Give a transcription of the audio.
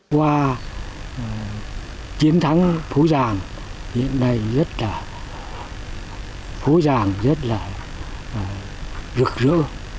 qua chiến thắng phố ràng hiện nay phố ràng rất là rực rỡ